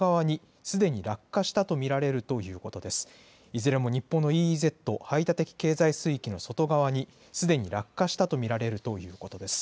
いずれも日本のＥＥＺ・排他的経済水域の外側にすでに落下したと見られるということです。